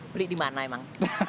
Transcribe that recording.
beli di mana emang